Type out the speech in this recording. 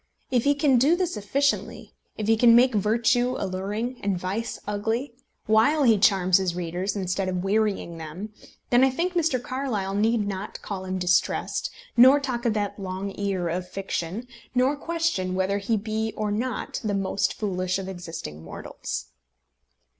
If he can do this efficiently, if he can make virtue alluring and vice ugly, while he charms his readers instead of wearying them, then I think Mr. Carlyle need not call him distressed, nor talk of that long ear of fiction, nor question whether he be or not the most foolish of existing mortals.